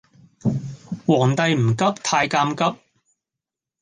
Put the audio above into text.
皇帝唔急太監急